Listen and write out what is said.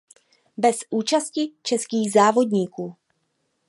Bez účasti českých závodníků.